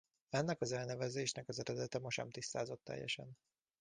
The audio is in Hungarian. Ennek az elnevezésnek az eredete ma sem tisztázott teljesen.